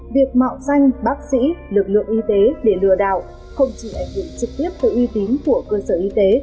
việc mạo danh bác sĩ lực lượng y tế để lừa đảo không chỉ ảnh hưởng trực tiếp tới uy tín của cơ sở y tế